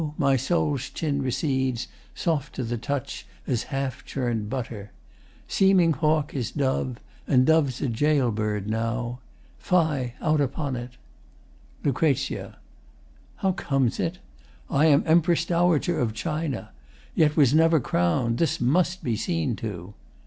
my soul's chin recedes, soft to the touch As half churn'd butter. Seeming hawk is dove, And dove's a gaol bird now. Fie out upon 't! LUC. How comes it? I am Empress Dowager Of China yet was never crown'd. This must Be seen to.